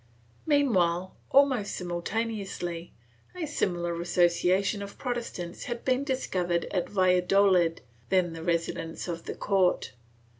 Meanwhile, almost simultaneously, a similar association of Protestants had been discovered at Valladolid, then the residence of the court.